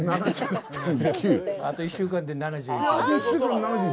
あと１週間で７１？